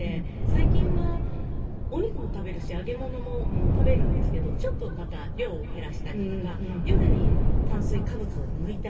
最近はお肉も食べるし揚げ物も食べるんですけどちょっとまた量を減らしたりとか夜に炭水化物を抜いたりとか。